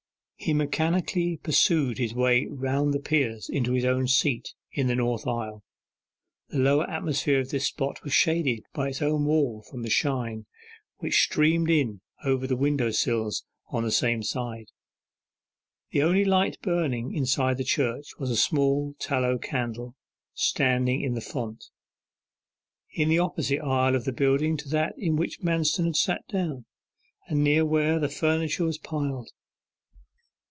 He mechanically pursued his way round the piers into his own seat in the north aisle. The lower atmosphere of this spot was shaded by its own wall from the shine which streamed in over the window sills on the same side. The only light burning inside the church was a small tallow candle, standing in the font, in the opposite aisle of the building to that in which Manston had sat down, and near where the furniture was piled.